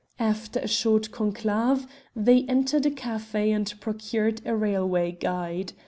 After a short conclave they entered a café and procured a railway guide.